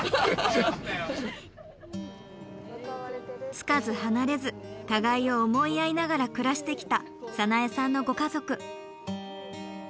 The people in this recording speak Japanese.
付かず離れず互いを思い合いながら暮らしてきた早苗さんのご家族。